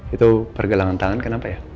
itu pergelangan tangan kenapa ya